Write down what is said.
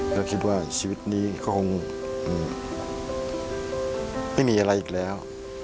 ก็คิดว่าชีวิตนี้ก็คงไม่มีอะไรอีกแล้ว